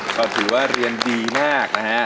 ก็ถือว่าเรียนดีมากนะฮะ